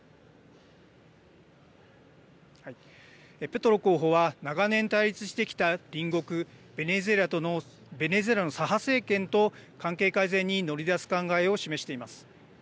ペトロ候補は長年、対立してきた隣国ベネズエラの左派政権と関係改善に乗り出す考えを示しています。